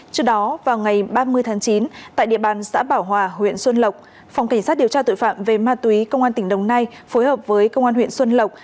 trước đó vào ngày ba mươi tháng chín tại địa bàn xã bảo hòa huyện xuân lộc phòng cảnh sát điều tra tội phạm về ma túy công an tỉnh đồng nai phối hợp với công an huyện xuân lộc